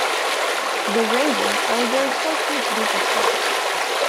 The Raven are a very close knit group of friends.